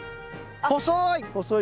細い！